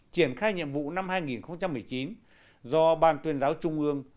triển khai nhiệm vụ năm hai nghìn một mươi chín do ban tuyên giáo trung ương